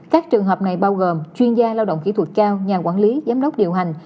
các trường hợp này bao gồm chuyên gia lao động kỹ thuật cao nhà quản lý giám đốc điều hành